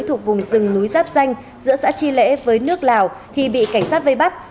thuộc vùng rừng núi giáp danh giữa xã chi lễ với nước lào thì bị cảnh sát vây bắt